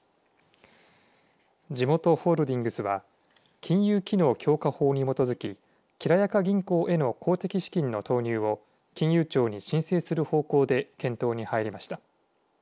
じもとホールディングスは金融機能強化法に基づききらやか銀行への公的資金の投入を金融庁に申請する方向で検討に入りました。